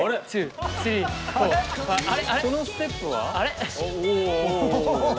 そのステップは？